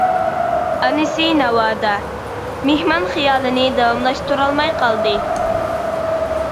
ئانىسى ناۋادا. مېھمان خىيالىنى داۋاملاشتۇرالماي قالدى.